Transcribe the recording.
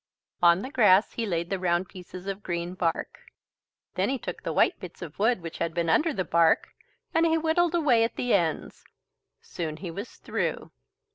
On the grass he laid the round pieces of green bark. Then he took the white bits of wood which had been under the bark and he whittled away at the ends. Soon he was through.